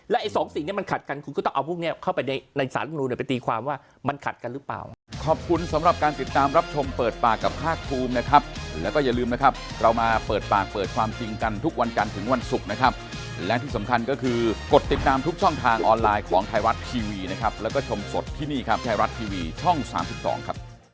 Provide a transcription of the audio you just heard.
ไอ้สองสิ่งนี้มันขัดกันคุณก็ต้องเอาพวกนี้เข้าไปในสารลำนูนไปตีความว่ามันขัดกันหรือเปล่า